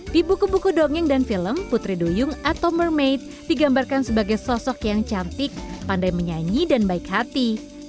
di buku buku dongeng dan film putri duyung atau mermaid digambarkan sebagai sosok yang cantik pandai menyanyi dan baik hati